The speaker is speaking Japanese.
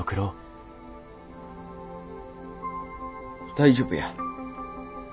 大丈夫や。